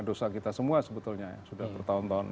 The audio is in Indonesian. dosa kita semua sebetulnya ya sudah bertahun tahun